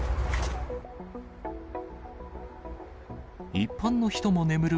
一般の人も眠る